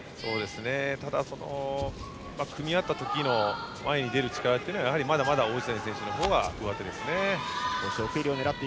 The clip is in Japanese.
ただ、組み合った時の前に出る力はやはりまだまだ王子谷選手の方が、うわてですね。